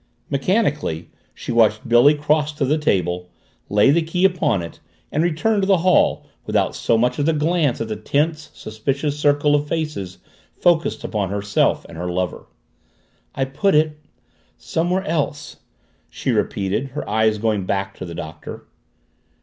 Mechanically she watched Billy cross to the table, lay the key upon it, and return to the hall without so much as a glance at the tense, suspicious circle of faces focused upon herself and her lover. "I put it somewhere else," she repeated, her eyes going back to the Doctor.